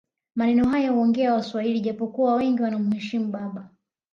Maneno haya huongea waswahili japo kuwa wengi wanamheshimu baba